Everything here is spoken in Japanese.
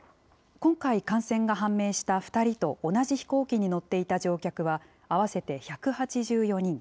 今回感染が判明した２人と同じ飛行機に乗っていた乗客は合わせて１８４人。